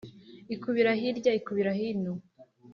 Ikubira hirya ikubira hino,